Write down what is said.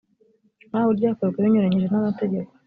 nk aho ryakozwe binyuranyije n amategeko